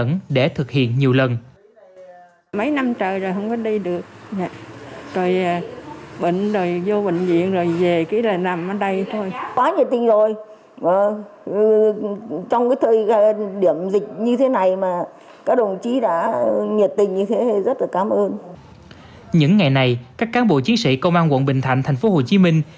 những ngày này các cán bộ chiến sĩ công an quận bình thạnh thành phố hồ chí minh